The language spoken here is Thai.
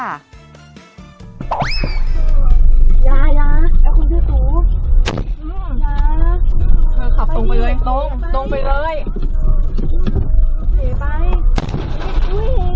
อย่าอย่าเอาคนที่ถูกอย่าเขาขับตรงไปเลยตรงตรงไปเลย